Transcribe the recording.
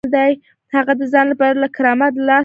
هغه د ځان لپاره له کرامت لاس نه اخلي.